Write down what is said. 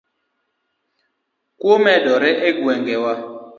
Kuo omedore e gweng' wa